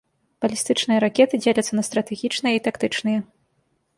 Балістычныя ракеты дзеляцца на стратэгічныя і тактычныя.